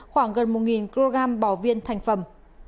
khoảng gần một kg bảo viên thành phẩm